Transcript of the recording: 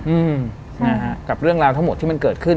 อืมนะฮะกับเรื่องราวทั้งหมดที่มันเกิดขึ้น